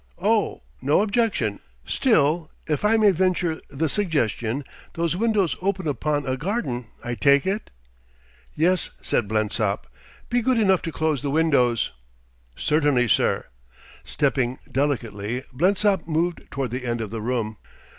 "Oh, no objection. Still if I may venture the suggestion those windows open upon a garden, I take it?" "Yes. Blensop, be good enough to close the windows." "Certainly, sir." Stepping delicately, Blensop moved toward the end of the room.